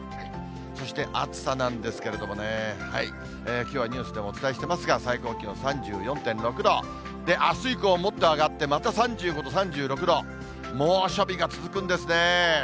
そして暑さなんですけれどもね、きょうはニュースでもお伝えしていますが、最高気温３４．６度、あす以降、もっと上がって、また３５度、３６度、猛暑日が続くんですね。